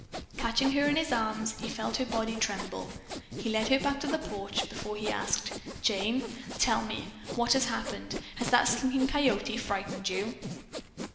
Catching her in his arms, he felt her body tremble. He led her back to the porch before he asked, "Jane, tell me. What has happened? Has that Slinking Coyote frightened you?"